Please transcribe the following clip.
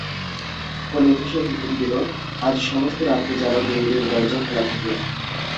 ফণিভূষণ হুকুম দিল, আজ সমস্ত রাত্রি যেন দেউড়ির দরজা খোলা থাকে।